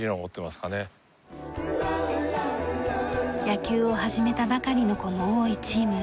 野球を始めたばかりの子も多いチーム。